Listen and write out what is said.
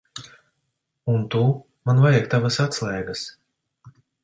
Un tu. Man vajag tavas atslēgas.